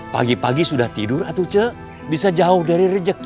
pagi pagi sudah tidur cik bisa jauh dari rezeki